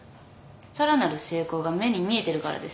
さらなる成功が目に見えてるからです。